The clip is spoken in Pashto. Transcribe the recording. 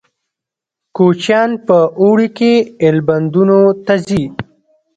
کوچیان په اوړي کې ایلبندونو ته ځي